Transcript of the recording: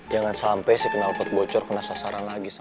jangan sampai si penelpot bocor kena sasaran lagi sama